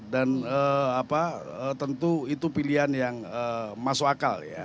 dan tentu itu pilihan yang masuk akal